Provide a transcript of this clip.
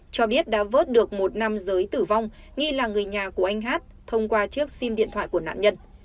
cho biết đã vớt được một nam giới tử vong nghi là người nhà của anh hát thông qua chiếc sim điện thoại của nạn nhân